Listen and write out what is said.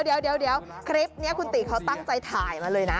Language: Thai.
เดี๋ยวเดี๋ยวเดี๋ยวคลิปนี้คุณตีเขาตั้งใจถ่ายมาเลยนะ